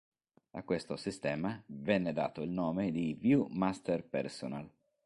A questo sistema venne dato il nome di View-Master Personal.